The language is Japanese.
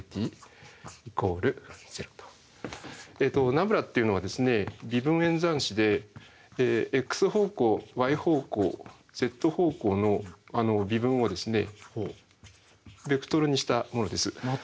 ナブラっていうのは微分演算子でｘ方向ｙ方向ｚ方向の微分をベクトルにしたものです。